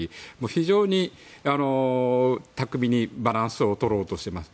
非常に巧みにバランスを取ろうとしています。